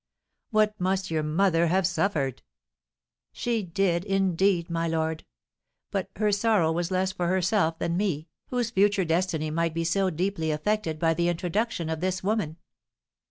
"What must your mother have suffered!" "She did, indeed, my lord; but her sorrow was less for herself than me, whose future destiny might be so deeply affected by the introduction of this woman.